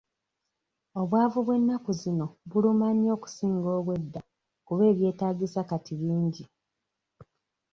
Obwavu bw'ennaku zino buluma nnyo okusinga obw'edda kuba ebyetaagisa kati bingi.